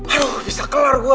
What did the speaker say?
aduh bisa kelar gue